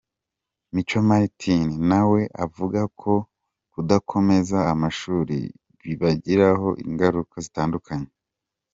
Mico Martin na we avuga ko kudakomeza amashuri bibagiraho ingaruka zitandukanye.